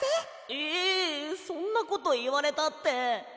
えそんなこといわれたって。